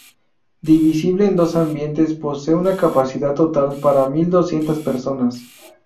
Divisible en dos ambientes posee una capacidad total para mil doscientas personas.